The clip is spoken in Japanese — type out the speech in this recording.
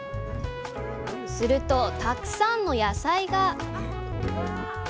するとたくさんの野菜が！